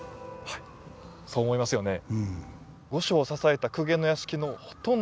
はいそう思いますよね。